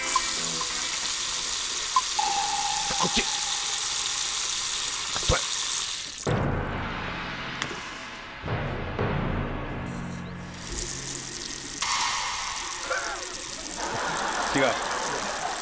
こっちそれ違う？